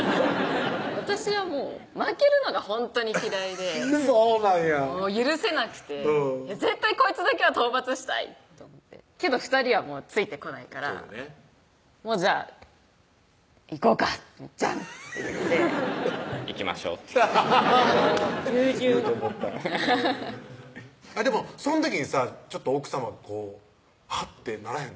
私はもう負けるのがほんとに嫌いでそうなんや許せなくて絶対こいつだけは討伐したいと思ってけど２人はついてこないから「じゃあ行こうかみっちゃん」って言って「行きましょう」ってアハハハッ従順言うと思ったでもその時にさ奥さまこうハッてならへんの？